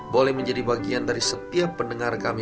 boleh menjadi bagian dari setiap pendengar kami